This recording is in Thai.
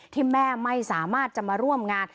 ที่แม่ไม่สามารถจะมาร่วมงาน